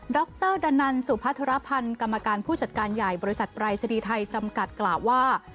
รดันนันสุพัทรพันธ์กรรมการผู้จัดการใหญ่บริษัทปรายศนีย์ไทยจำกัดกล่าวว่า